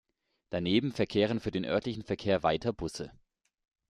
Daneben verkehren für den örtlichen Verkehr weiter Busse.